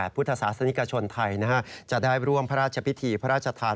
พุทธศาสนิกชนไทยจะได้ร่วมพระราชพิธีพระราชทาน